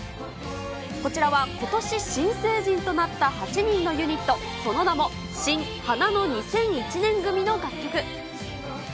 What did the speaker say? こちらはことし新成人となった８人のユニット、その名も、新・華の２００１年組の楽曲。